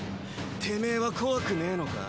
テメエは怖くねえのか？